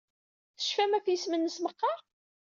Tecfam ɣef yisem-nnes meqqar?